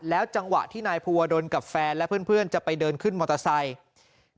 จังหวะที่นายภูวดลกับแฟนและเพื่อนจะไปเดินขึ้นมอเตอร์ไซค์